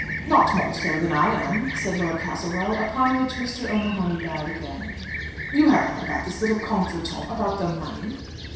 "Not more so than I am," said Lord Castlewell, upon which Mr. O'Mahony bowed again. "You have heard about this little contretemps about the money."